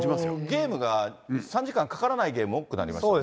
ゲームが３時間かからないゲーム、多くなりましたね。